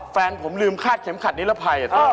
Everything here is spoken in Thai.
แฟนผมลืมคาดเข็มขัดนิรภัย